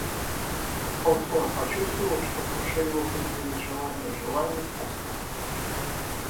Он скоро почувствовал, что в душе его поднялись желания желаний, тоска.